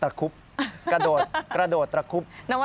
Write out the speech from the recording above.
ตอนแรกก็ไม่แน่ใจนะคะ